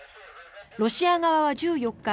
ロシア側は１４日